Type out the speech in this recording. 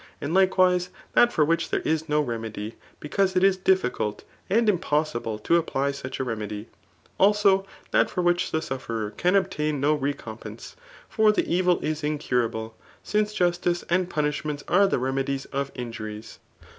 And likewise that for which there is no remedy ; because it is difficult and impossible to apply such a remedy. Alao that for which the sufferer can obtain no recom pence ; for the evil is incurable ; since justice and punish* ment are the remedies [of injuries.